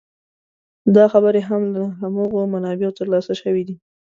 دا خبرې هم له هماغو منابعو تر لاسه شوې دي.